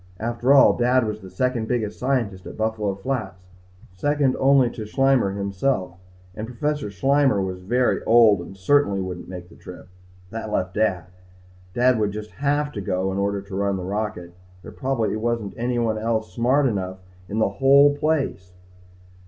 After all, Dad was the second biggest scientist at Buffalo Flats. Second only to Schleimmer himself and Professor Schleimmer was very old and certainly wouldn't make the trip. That left Dad. Dad would just have to go in order to run the rocket. There probably wasn't anybody else smart enough in the whole place.